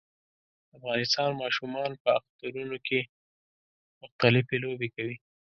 د افغانستان ماشومان په اخترونو کې مختلفي لوبې کوي